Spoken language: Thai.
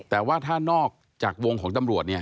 แต่ว่าถ้านอกจากวงของตำรวจ